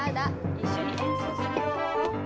一緒に演奏するよ。